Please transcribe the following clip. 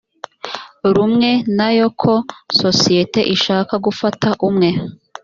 rumwe na yo ko sosiyete ishaka gufata umwe